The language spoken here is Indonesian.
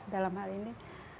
dalam hal ini